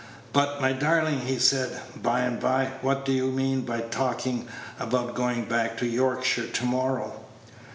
"But, my darling," he said, by and by, "what do you mean by talking about going back to Yorkshire to morrow?"